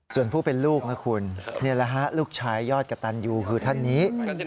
ส่วนผู้เป็นลูกนี่ละลูกชายยอดกับตาลยูคือท่านนี้